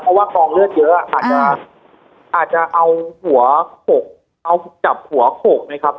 เพราะว่ากองเลือดเยอะอาจจะอาจจะเอาหัวโขกเอาจับหัวโขกนะครับ